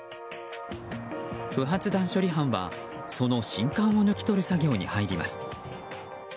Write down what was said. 不発弾処理班はその信管を抜き取る作業に入ります。